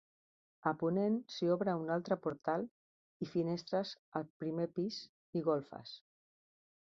A ponent s'hi obre un altre portal i finestres al primer pis i golfes.